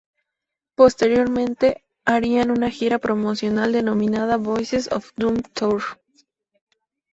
Posteriormente harían una gira promocional denominada "Voices Of Doom Tour".